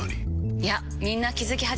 いやみんな気付き始めてます。